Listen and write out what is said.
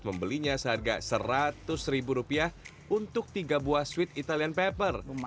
membelinya seharga rp seratus untuk tiga buah sweet italian pepper